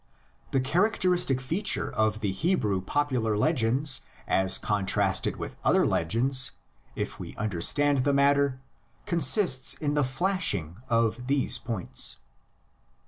The characteristic feature of the Hebrew popular legends as contrasted with other legends, if we understand the matter, consists in the flashing of these points.